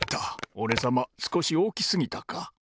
おれさますこしおおきすぎたか。